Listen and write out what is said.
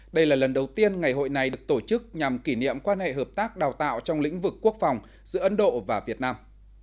đây là lần đầu tiên ngày hội này được tổ chức nhằm kỷ niệm quan hệ hợp tác đào tạo trong lĩnh vực quốc phòng giữa ấn độ và việt nam